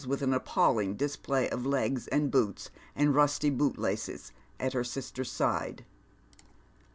f$ with an apfuilHng display of legs and boots and rusty bootlaces, at her sister s side.